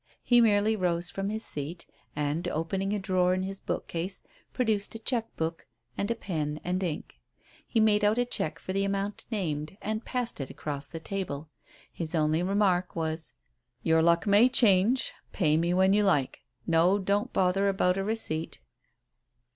He merely rose from his seat, and opening a drawer in his bookcase, produced a cheque book and a pen and ink. He made out a cheque for the amount named, and passed it across the table. His only remark was "Your luck may change. Pay me when you like. No, don't bother about a receipt."